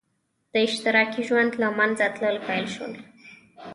د اشتراکي ژوند له منځه تلل پیل شول.